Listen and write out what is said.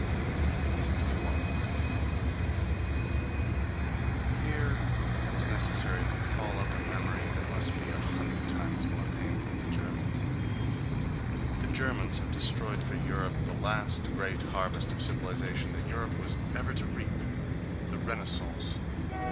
61. Here it becomes necessary to call up a memory that must be a hundred times more painful to Germans. The Germans have destroyed for Europe the last great harvest of civilization that Europe was ever to reap—the Renaissance.